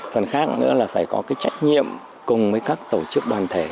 phần khác nữa là phải có cái trách nhiệm cùng với các tổ chức đoàn thể